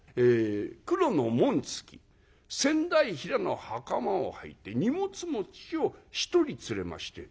黒の紋付き仙台平の袴をはいて荷物持ちを１人連れまして。